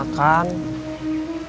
nggak sanggup ngelawan kiriman real